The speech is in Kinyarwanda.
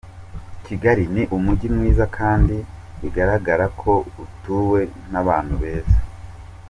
Kigali ni umujyi mwiza kandi biragaragara ko utuwe n’abantu beza.